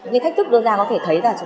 những thách thức đối ra có thể thấy là